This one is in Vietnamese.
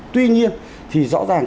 tuy nhiên thì rõ ràng